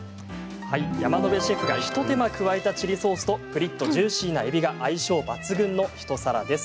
山野辺シェフが一手間加えたチリソースとプリっとジューシーなえびが相性抜群の一皿です。